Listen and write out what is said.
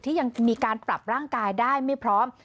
ยังมีการปรับร่างกายได้ไม่พร้อม